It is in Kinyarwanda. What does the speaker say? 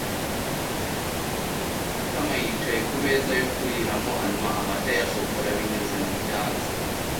Matama yicaye ku meza yo kuriramo, anywa amata ya shokora binyuze mu cyatsi.